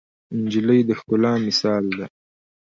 نجلۍ د ښکلا مثال ده.